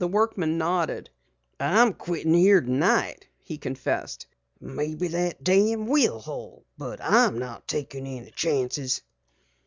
The workman nodded. "I'm quittin' here tonight," he confessed. "Maybe that dam will hold, but I'm takin' no chances!"